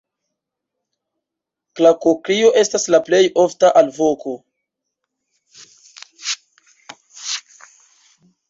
Klakokrio estas la plej ofta alvoko.